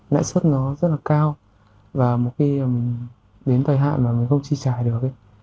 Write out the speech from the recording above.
nãi suất nó rất là cao và một khi đến thời hạn mà mình không chi trải được